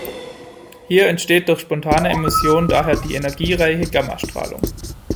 Hier entsteht durch spontane Emission daher die energiereiche Gammastrahlung.